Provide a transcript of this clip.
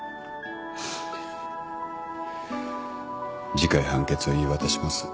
次回判決を言い渡します。